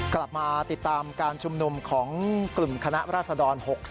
กลับมาติดตามการชุมนุมของกลุ่มคณะราษฎร๖๓